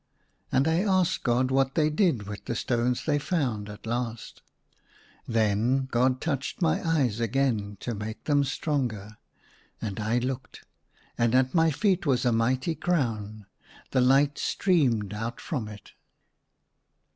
And I asked God what they did with the stones they found at last. Then God touched my eyes again to make them stronger ; and I looked, and at ACROSS MV BED. 171 my very feet was a mighty crown. The light streamed out from it.